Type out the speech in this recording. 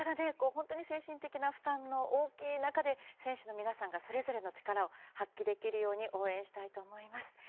本当に精神的な負担の大きい中で選手の皆さんがそれぞれの力を発揮できるように応援したいと思います。